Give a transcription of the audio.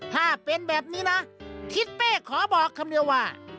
ถ้าเป็นแบบนี้นะทิศเป้ขอบอกคำเดียวว่า